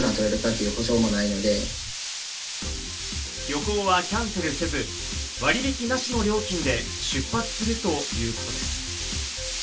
旅行はキャンセルせず、割引なしの料金で出発するということです。